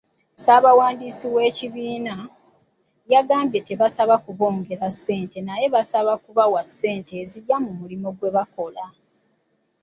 Ssaabawandiisi w'ekibiina, yagambye tebasaba kubongera ssente naye basaba kuweebwa ssente ezigya mu mulimu gwebakola.